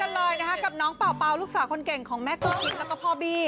กันเลยนะคะกับน้องเป่าลูกสาวคนเก่งของแม่ก้อยแล้วก็พ่อบี้